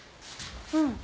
うん。